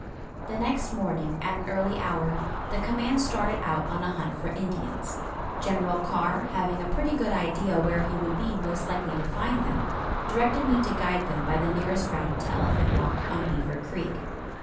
The next morning, at an early hour, the command started out on a hunt for Indians. General Carr, having a pretty good idea where he would be most likely to find them, directed me to guide them by the nearest route to Elephant Rock on Beaver Creek.